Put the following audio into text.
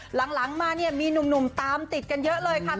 หลังมาเนี่ยมีหนุ่มตามติดกันเยอะเลยค่ะ